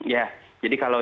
ya jadi kalau